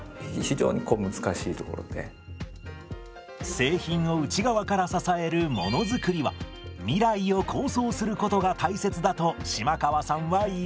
製品を内側から支えるものづくりは未来を構想することが大切だと嶋川さんは言います。